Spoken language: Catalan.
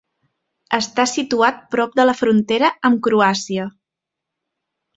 Està situat prop de la frontera amb Croàcia.